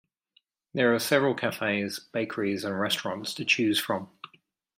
There are several cafes, bakeries, and restaurants to choose from.